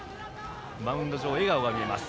マウンド上、笑顔が見えます。